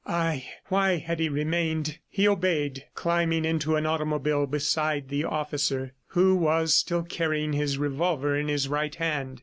Ay, why had he remained? ... He obeyed, climbing into an automobile beside the officer, who was still carrying his revolver in his right hand.